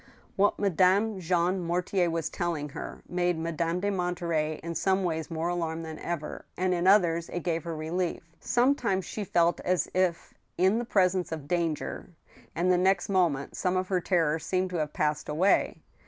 What Madame Jean Mortier was telling her made Madame de Monterey in some ways more alarmed than ever, and in others it gave her relief. Sometimes she felt as if in the presence of danger, and the next moment some of her terror seemed to have passed away.